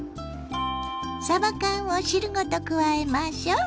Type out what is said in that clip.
さば缶を汁ごと加えましょう。